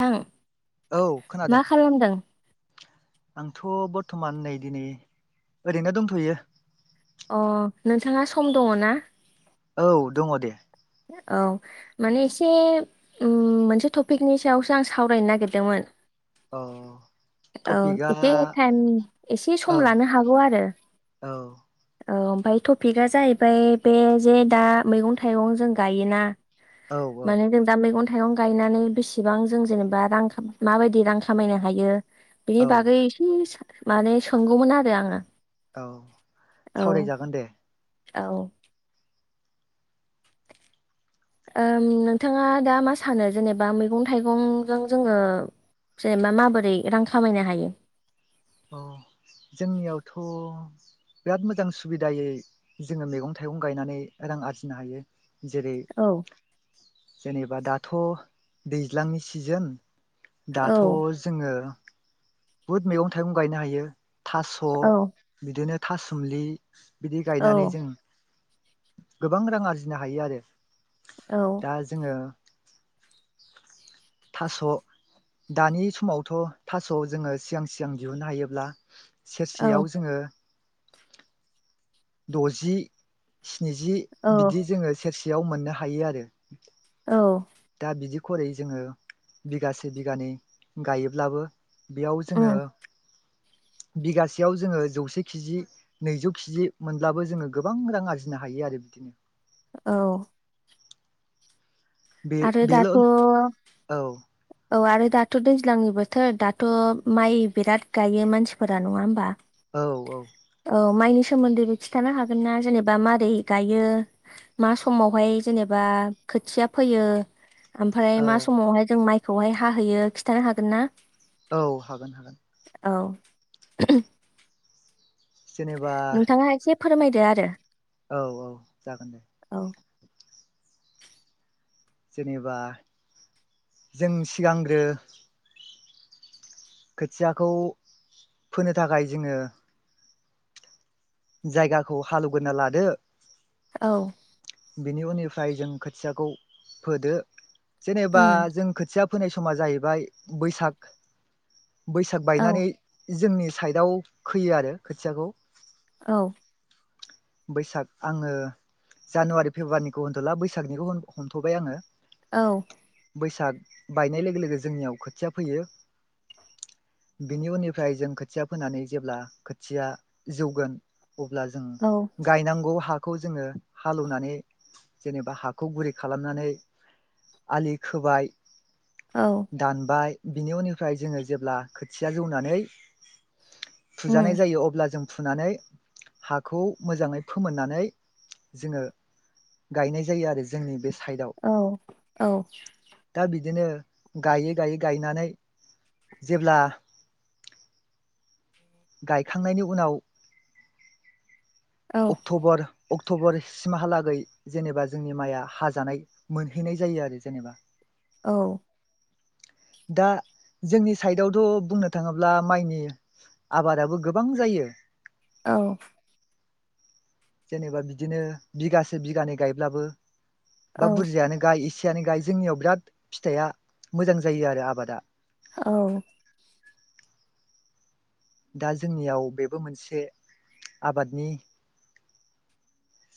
नोंथां औ खोनादों मा खालामदों आंथ' बरथ'मान नै दिनै ओरैनो दंथ'यो अ नोंथाङा सम दङ ना औ दङ दे औ माने एसे मोनसे टपिकनि सायावसो आं सावरायनो नागिरदोंमोन। औ। औ टपिकआ एसे टाइम एसे सम औ लानो हागौ आरो। औ औ ओमफ्राय टपिकआ जाहैबाय बे जे दा मैगं थाइगं जों गायोना। औ औ माने जों दा मैगं था। थाइगं गायनानै बेसेबां जों जेनेबा रां माबायदि रां खामायनो हायो। बेनि औ बागै एसे माने सोंगौमोन आरो आङो। औ औ सावरायजागोन दे। औ। ओम नोंथाङा दा मा सानो जेनेबा मैगं थाइगंजों जोङो जेनेबा माबोरै रां खामायनो हायो? औ जोंनियावथ' बिराद मोजां सुबिदायै जोङो मैगं थाइग थाइगं गायनानै रां आरजिनो हायो जेरै औ जेनेबा दाथ' दैज्लांनि सिजोन औ दाथ' जोङो बहुत मैगं थाइगं गायनो हायो थास' औ बिदिनो थासुमुलि बिदि औ गायनानै जों गोबां रां आरजिनो हायो आरो। औ दा जोङो थास' दानि समावथ' थास' जोङो सिगां सिगां दिहुननो हायोब्ला औ सेरसेयाव जोङो द'जि स्निजि औ बिदि जोङो सेरसेयाव मोननो हायो आरो औ दा बिदि खरै जोङो बिगासे बिगानै गायोब्लाबो बेयाव जोङो उम बिगासेयाव जोङो जौसे केजि नैजौ केजि मोनब्लाबो जोङो गोबां रां आरजिनो हायो हायो आरो बिदिनो औ बे आरो बेल' दाथ' औ औ आरो दाथ' दैज्लांनि बोथोर दाथ' माइ बिराद गायो मानसिफोरा नङा होमबा औ औ औ माइनि सोमोन्दैबो खिन्थानो हागोन ना जेनेबा मारै गायो मा समावहाय जेनेबा खोथिया फैयो ओमफ्राय औ मा समावहाय जों माइखौहाय हाहैयो खिन्थानो हागोन ना औ हागोन हागोन औ जेनेबा नोंथाङा एसे फोरमायदो आरो औ औ जागोन दे [inaudible] जेनेबा जों सिगांग्रो खोथियाखौ फोनो थाखाय जोङो जायगाखौ हालेवग्रोना लादो औ बेनि उननिफ्राय जों खोथियाखौ फोदो जेनेबा उम जों खोथिया फोनाय समा जाहैबाय बैसाग बैसाग औ बायनानै जोंनि साइदआव खोैयो आरो खोथियाखौ औ बैसाग आङो जानुवारि फेब्रुवारिखौ होनथ'ला बैसागनिखौ हमथ'बाय आङो औ बैसाग बायनाय लोगो लोगो जोंनियाव खोथिया फैयो बिनि उननिफ्राय जों खोथिया फोनानै जेब्ला खोथिया जौगोन अब्ला जों औ नांगौ हाखौ जोङो हालेवनानै जेनेबा हाखौ गुरै खालामनानै आलि खोबाय। औ दानबाय बिनि उननिफ्राय जोंङो जेब्ला खोथिया जौनानै उम फुजानाय जायो अब्ला जों फुनानै हाखौ मोजांङै फोमोननानै जोङो गायनाय जायो आरो जोंनि बे सायदाव औ औ दा बिदिनो गायै गायै गायनानै जेब्ला गायखांनायनि उनाव औ अक्टबर अक्ट'बरसिम हालागै जेनेबा जोंनि माइआ हाजानाय मोनहैनाय जायो आरो जेनेबा औ। दा जोंनि साइदआवथ' बुंनो थाङोब्ला माइनि आबादाबो गोबां जायो। औ। जेनेबा बिदिनो बिगासे-बिगानै गायब्लाबो औ बा बुरजायानो गाय एसे फिथाइआनो गाय जोंनियाव बिराद फिथाइआ मोजां जायो आरो आबादा। औ। दा जोंनियाव बेबो मोनसे आबादनि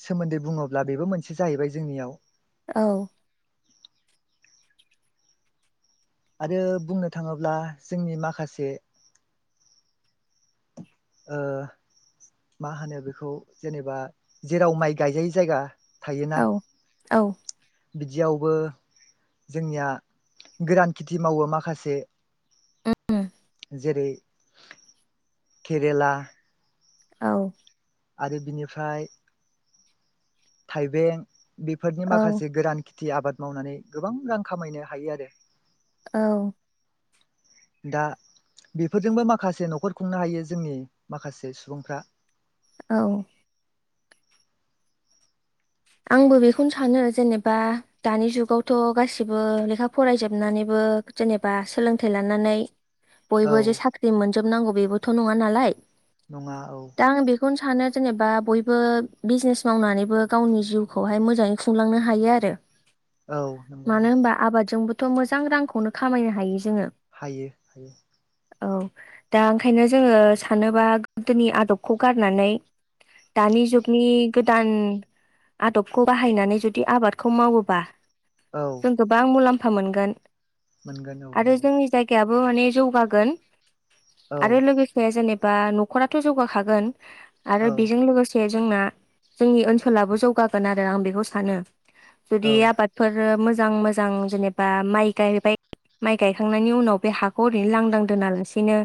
सोमोन्दै बुङोब्ला बेबो मोनसे जाहैबाय जोंनियाव। औ। आरो बुंनो थाङोब्ला जोंनि माखासे ओ मा होनो बेखौ जेनेबा जेराव माइ गायजायै जायगा थायोना औ औ। बिदियावबो जोंनिया गोरान खिथि मावो माखासे। जेरै केरेला औ। आरो बिनिफ्राय थाइबें बेफोरनि औ माखासे गोरान खेथि आबाद मावनानै गोबां रां खामायनो हायो आरो। औ। दा बेफोरजोंबो माखासे न'खर खुंनो हायो जोंनि माखासे सुबुंफ्रा। औ। आंबो बेखौनो सानो जेनेबा दानि जुगावथ' गासिबो लेखा फरायजोबनानैबो बो जेनेबा सोलोंथाइ लानानै औ बयबो जे साख्रि मोनजोबनांगौ बेबोथ' नङा नालाय नङा औ दा आं बेखौनो सानो जेनेबा बयबो बिजनेस मावनानैबो गावनि जिउखौहाय मोजाङै खुंलांनो हायो आरो औ नंगौ मानो नंगौ होनबा आबादजोंबो थ' मोजां रांखौनो खामायनो हायो जोङो। हायो। औ दा ओंखायनो जोङो सानोबा गोदोनि आदबखौ गारनानै दानि जुगनि गोदान आदबखौ बाहायनानै जुदि आबादखौ मावोबा औ जों गोबां मुला मफा मोनगोन मोनगोन औ आरो नंगौ जोंनि जायगायाबो माने जौगागोन औ आरो लोगोसे जेनेबा न'खराथ' जौगाखागोन आरो औ बेजों लोगोसे जोंना जोंनि ओनसोलाबो जौगागोन आरो आं बेखौ सानो। जुदि औ आबादफोर मोजां मोजां जेनेबा माइ गायबाय माइ गायखांनायनि उनाव बे हाखौ ओरैनो लांदां दोनालासिनो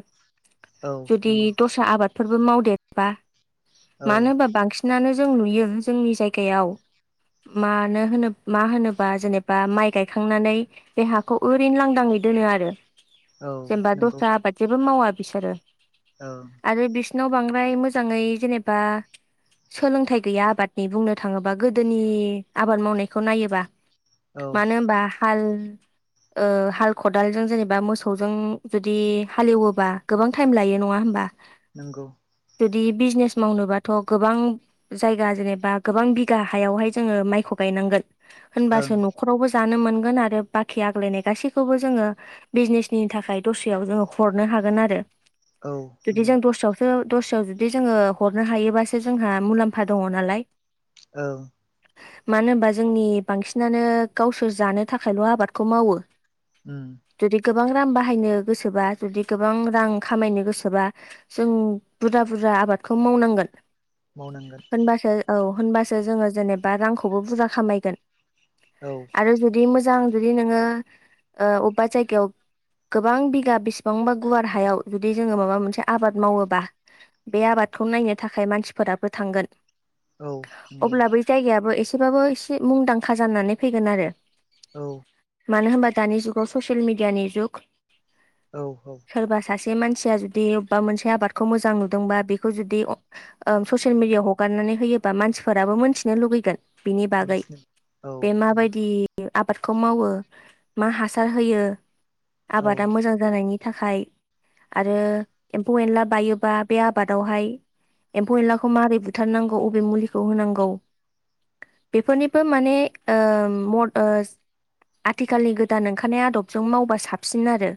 औ जुदि नंगौ दस्रा आबादफोरबो मावदेर बा औ मानो होनबा बांसिनानो जों नुयो जोंनि जायगायाव मानो होनोब मा होनोबा जेनेबा माइ गायखांनानै बे हाखौ ओरैनो लांदांयै दोनो आरो औ जेनबा नंगौ दस्रा आबाद जेबो मावा बिसोरो। औ सिनाव बांद्राय मोजाङै जेनेबा सोलोंथाइ गैया आबाद बे बुंनो थाङोबा गोदोनि आबाद मावनायखौ नायोबा औ मानो होमबा हाल ओ हाल खदालजों जेनेबा मोसौजों जुदि हालौवोबा गोबां टाइम लायो नङा होमबा? नोंगौ। जुदि बिजिनेस मावनोबाथ' गोबां जायगा जेनेब बा गोबां बिगा हायावहाय जोंङो माइखौ गायनांगोन ओं होनबासो न'खरावबो जानो मोनगोन आरो बाखि आग्लायनाय गासैखौबो जोङो बिजनेसनि थाखाय दस्रायाव जोङो हरनो हा हागोन आरो। औ [inaudible] बेयाव दस्रायाव जुदि जोङो हरनो हायोबासो जोंहा मुलाम्फा दङ नालाय। औ मानो होमबा जोंनि बांसिनानो गावसोर जानो थाखायल आबादखौ मावो उम जुदि गोबां रां बाहायनो गोसोबा जुदि गोबां रां खामायनो गोसोबा जों बुरजा बुरजा जा आबादखौ मावनांगोन मावनांगोन होनबासो औ होनबासो जोङो जेनेबा रांखौबो बुरजा खामायगोन औ आरो जुदि मोजां जुदि नोङो ओ अबेबा जायगायाव गोबां बिगा बिसेबांबा गुवार हायाव जुदि जोङो माबा मोनसे आबाद मावोबा बे आबादखौ नायनो थाखाय मानसिफोराबो थांगोन औ नंगौ अब्ला बै जायगायाबो एसेबाबो एसे मुंदांखा जानानै फैगोन आरो औ मानो होनबा दानि जुगाव ससियेल मिडियानि जुग औ औ जे मानसिया जुदि अबेबा मोनसे आबादखौ मोजां नुदोंबा बेखौ जुदि अ ओ ससियेल मिडियाआव हगारनानै होयो बा मानसिफोराबो मोनथिनो लुगैगोन बिनि बागै मिथिनो औ बे नंगौ माबायदि आब खौ मावो मा हासार होयो औ आबादा मोजां जानायनि थाखाय आरो एम्फौ एनला बायोबा बे आबादावहाय एम्फौ एनलाखौ मारै बुथारनांगौ अबे मुलिखौ होनांगौ बेफोरनिबो माने ओम मद ओ आथिखालनि गोदान ओंखारनाय आदबजों मावबा साबसिन आरो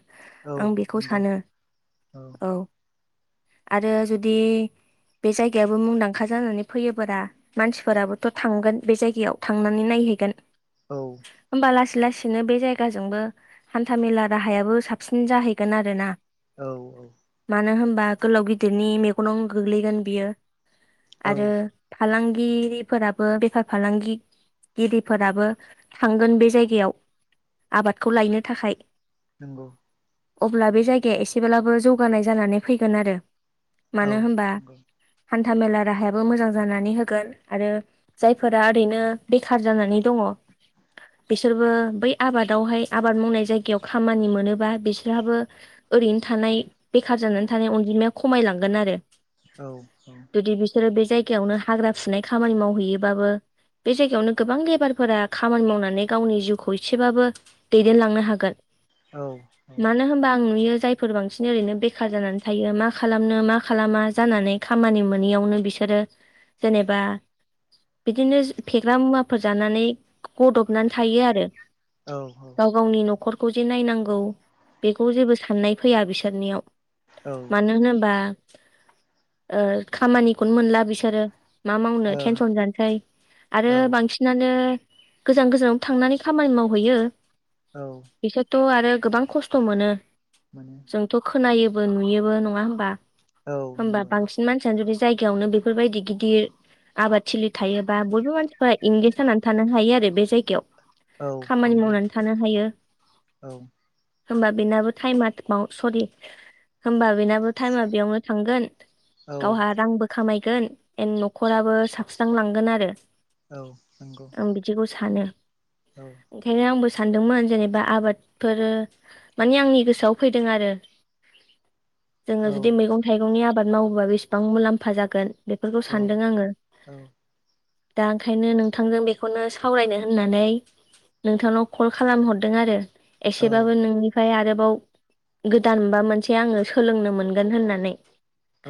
औ आं बेखौ नंगौ सानो औ आरो जुदि बे जायगायाबो मुंदांखा जानानै फैयोबारा मानसिफोराबोथ थांगोन बे जायगायाव थांनानै नायहैगोन औ होमबा लासै लासैनो बे जायगाजोंबो हान्था मेला राहायाबो साबसिन जाहैगोन आरोना औ औ नो होमबा गोलाव‌ गिदिरनि मेगनाव‌ गोग्लैगोन बियो औ आरो फालां गिरिफोराबो बेफार फालांगि गिदिरफोराबो थांगोन बे जायगायाव आबादखौ लायनो थाखाय नोंगौ अब्ला बे जायगाया एसेब्लाबो जौगानाय जानानै फैगोन आरो औ मानो होनबा नोंगौ हान्था मेला राहाया बो मोजां जानानै होगोन आरो जायफोरा ओरैनो बेखार जानानै दङ बिसोरबो बै आबादावहाय आबाद मावनाय जायगायाव खामानि मोनोबा बिसोरहाबो ओरैनो थानाय बेखार जानानै थानाय अनजिमाया खमायलांगोन आरो औ औ जुदि बिसोरो बे जायगायावनो हाग्रा फुनाय खामानि मावहैयोबाबो बे जायगायावनो गोबां लेबारफोरा खामानि मावनानै गावनि जिउखौ एसेबाबो दैदेनलांनो हागोन औ मानो होमबा आं नुयो जायफोर बांसिन ओरैनो बेखार जानानै थायो मा खालामनो मा खालामा जानानै खामानि मोनैयावनो बि बिसोरो जेनेबा बिदिनो फेग्रा मुवाफोर जानानै गदबनानै थायो आरो औ गाव गावनि न'खर बेखौ जे नायनांगौ बेखौ जेबो साननाय फैया बिसोरनियाव मानो होनोबा ओ खामानिखौनो मोनला बिसोरो मा मावनो टेनसन जानोसै आरो ओ औ बांसिनानो गोजान गोजानाव थांनानै खामानि मावहैयो औ थ' आरो गोबां खस्थ' मोनो मोनो जोंथ' खोनायोबो नुयोबो नङा होमबा औ होमबा नंगौ बांसिन मानसियानो जुदि जायगायावनो बेफोरबायदि गिदिर आबाद थिलि थायोबा बयबो मानसिफ्रा इंगिस जानानै थानो हायो आरो बे जायगायाव औ खामानि नंगौ मावनानै थानो हायो औ होमबा बेनाबो टाइमा [unintelligible] सरि होमबा बेनाबो टाइमा बेयावनो थांगोन औ गावहा रांबो खामायगोन एन न'खराबो साबस्रांलांगोन आरो औ नंगौ आं बिदिखौ सानो औ ओंखायनो आंबो सानदोंमोन जेनेबा आबादफोरो मानि आंनि गोसोआव फैदों आरो जोङो जुदि मैगं थाइगंनि आबाद मावोबा बेसेबां मुलाम्फा जागोन बेफोरखौ सान्दों आङो दा ओंखायनो नोंथांजों बेखौनो सावरायनो होननानै नोंथांनाव कल खालाम हरदों आरो औ एसेबाबो नोंनिफ्राय आरो बाव गोदानबा मोनसे आङो सोलोंनो मोनगोन होननानै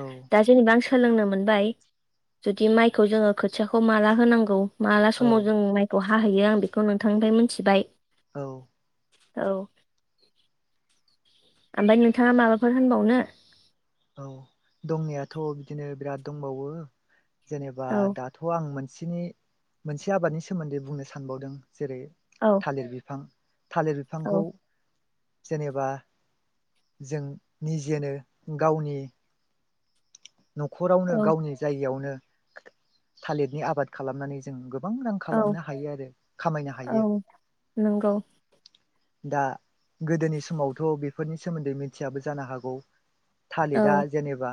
औ गोबां सोलोंनो मोनबाय जुदि माइखौ जोङो खोथियाखौ माला होनांगौ माला औ समाव जों माइखौ हाहैयो आं बेखौ नोंथांनिफ्राय मोनथिबाय औ औ ओमफ्राय नोंथाङा माबाफोर होनबावनो औ दंनायाथ' बिदिनो बिराद दंबावो जेनेबा औ दाथ' आं मोन सेनि मोनसे आबादनि सोमोन्दै बुंनो सानबावदों जेरै औ थालिर बिफां थालिर बिफांखौ औ जेनेबा जों निजेनो गावनि न'खरावनो औ गावनि जायगायावनो थालिरनि आबाद खालामनानै जों गो बां रां औ खालामनो हायो आरो खामायनो हायो औ नंगौ दा गोदोनि समावथ' बेफोरनि सोमोन्दै मिथियाबो जानो हागौ औ थालिरा जेनेबा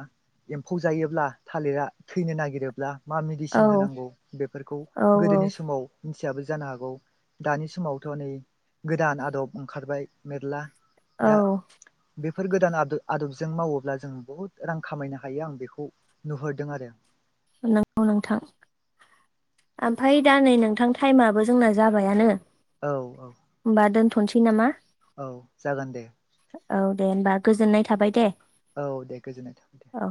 एम्फौ जायोब्ला थालिरा थैनो नागिरोब्ला मा औ मेडिसिन होनांगौ बेफोरखौ औ गोदोनि औ समाव मिथियाबो जानो हागौ दानि समावथ' नै गोदान आदब ओंखारबाय मेरला दा औ बेफोर गोदान आदो-आदबजों मावोब्ला जों बुहुत रां खामायनो हायो आं बेखौ नुहरदों आरो नंगौ नोंथां ओमफ्राय दा नै नोंथां टाइमाबो जोंना जाबायानो औ औ होमबा दोनथ'नोसै नामा औ जागोन दे औ दे होनबा गोजोननाय थाबाय दे औ दे गोजोननाय थाबाय दे औ